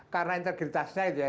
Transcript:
karena integritasnya itu ya